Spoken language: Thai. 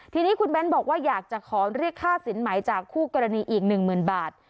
ทีนี้คุณเบ้นบอกว่าอยากจะขอเรียกค่าสินไหมจากคู่กรณีอีก๑๐๐๐บาท